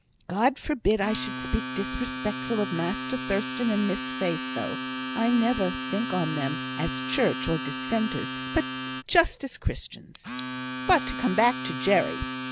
God forbid I should speak disrespectful of Master Thurstan and Miss Faith, though; I never think on them as Church or Dissenters, but just as Christians. But to come back to Jerry.